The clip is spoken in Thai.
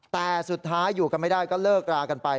แต่สุดท้ายอยู่กันไม่ได้ก็เลิกรากันไป